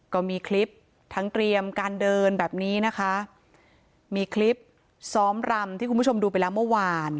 ก็มีคลิปทั้งเตรียมการเดินแบบนี้นะคะมีคลิปซ้อมรำที่คุณผู้ชมดูไปแล้วเมื่อวาน